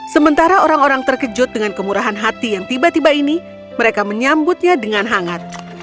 sementara orang orang terkejut dengan kemurahan hati yang tiba tiba ini mereka menyambutnya dengan hangat